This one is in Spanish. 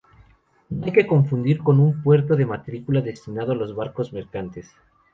No hay que confundirla con un puerto de matrícula destinado a los barcos mercantes.